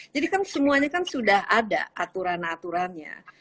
jadi kan semuanya kan sudah ada aturan aturannya